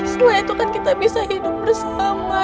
setelah itu kan kita bisa hidup bersama